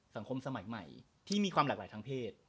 สังคมสมัยใหม่ที่มีความหลากหลายทางเพศ